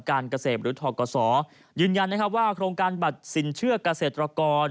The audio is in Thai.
การเกษตรหรือทกศยืนยันนะครับว่าโครงการบัตรสินเชื่อเกษตรกร